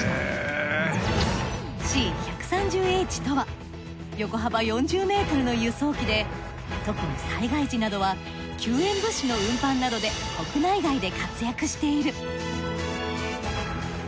Ｃ−１３０Ｈとは横幅４０ｍの輸送機で特に災害時などは救援物資の運搬などで国内外で活躍している。